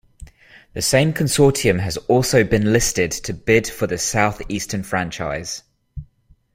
The same consortium has also been listed to bid for the South Eastern franchise.